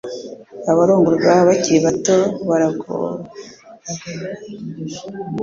abarongorwa bakiri bato bragowe